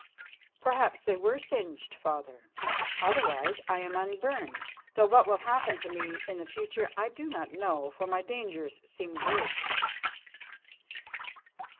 "Perhaps they were singed, Father. Otherwise, I am unburned, though what will happen to me in the future I do not know, for my dangers seem great."